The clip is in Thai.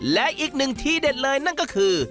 และอีกหนึ่งทีเด็ดเลยนั่นก็คือ